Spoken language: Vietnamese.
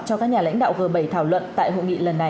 cho các nhà lãnh đạo g bảy thảo luận tại hội nghị lần này